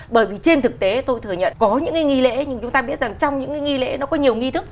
bởi vì trên thực tế tôi thừa nhận có những cái nghi lễ nhưng chúng ta biết rằng trong những nghi lễ nó có nhiều nghi thức